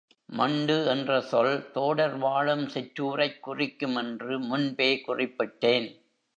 மண்டு என்ற சொல் தோடர் வாழும் சிற்றூரைக் குறிக்கும் என்று முன்பே குறிப்பிட்டேன்.